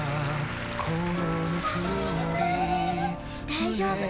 大丈夫。